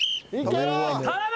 頼む！